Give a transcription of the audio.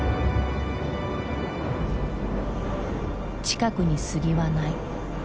近くに杉はない。